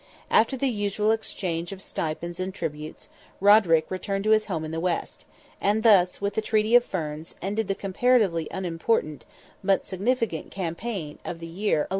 After the usual exchange of stipends and tributes, Roderick returned to his home in the west; and thus, with the treaty of Ferns, ended the comparatively unimportant but significant campaign of the year 1169.